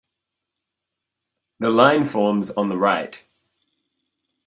The line forms on the right.